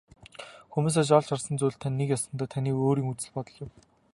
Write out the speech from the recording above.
Хүмүүсээс олж харсан зүйл тань нэг ёсондоо таны өөрийн үзэл бодол юм.